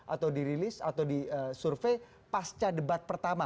atau dirilis atau disurvey pasca debat pertama